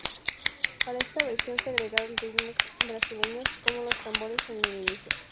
Para esta versión se agregaron ritmos brasileños, como los tambores en el inicio.